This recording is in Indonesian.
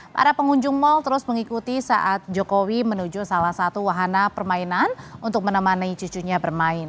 para pengunjung mal terus mengikuti saat jokowi menuju salah satu wahana permainan untuk menemani cucunya bermain